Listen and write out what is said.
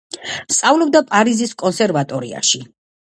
სწავლობდა პარიზის კონსერვატორიაში.